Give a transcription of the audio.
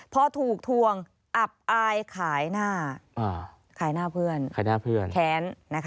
พอถูกถวงอับอายขายหน้าเพื่อนแค้น